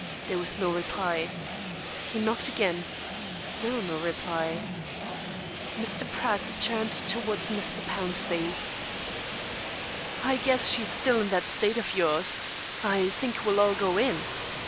There was no reply. He knocked again; still no reply. Mr. Pratt turned towards Mr. Pownceby. "I guess she's still in that state of yours. I think we'll all go in."